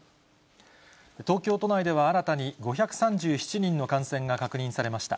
東京都内では新たに５３７人の感染が確認されました。